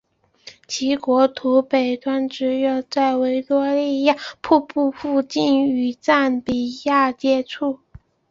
其国土北端只有在维多利亚瀑布附近与赞比亚接触。